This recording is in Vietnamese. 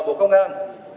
bộ công an